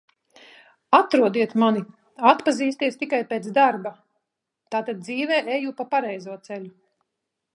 Atrodiet mani, atpazīsties tikai pēc darba. Tātad dzīvē eju pa pareizo ceļu.